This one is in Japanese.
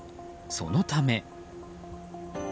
そのため。